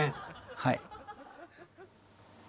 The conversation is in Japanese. はい。